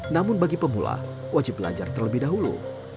namun bagi pemula wajib belajar terlebih dahulu